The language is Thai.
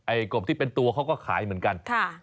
กบที่เป็นตัวเขาก็ขายเหมือนกัน